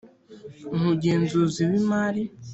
umugenzuzi w imari